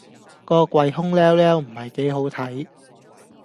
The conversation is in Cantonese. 個櫃空豂豂唔係幾好睇